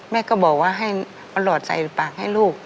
แม่ก็บอกว่าให้มาหลอดใส่ปากให้ลูก